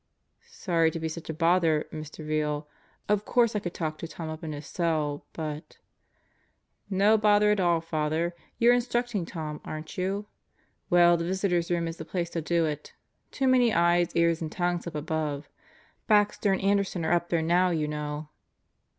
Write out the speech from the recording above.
"Sorry to be such a bother, Mr. Veal. Of course I could talk to Tom up in his cell, but " "No bother at all, Father. You're instructing Tom, aren't you? Well the Visitors' Room is the place to do it. Too many eyes, ears, and tongues up above. Baxter and Anderson are up there now you know."